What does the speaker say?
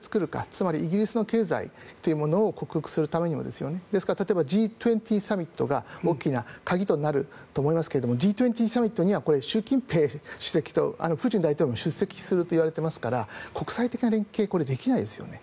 つまり、イギリスの経済を克服するためにもですから例えばＧ２０サミットが大きな鍵となると思いますがＧ２０サミットには習近平主席とプーチン大統領も出席すると言われていますから国際的な連携できないですよね。